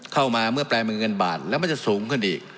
เข้ามาเมื่อแปลมือเงินบาทแล้วมันจะสูงขึ้นอีก